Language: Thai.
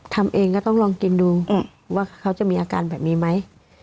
ทำเองก็ต้องลองกินดูว่าเขาจะมีอาการแบบนี้ไหม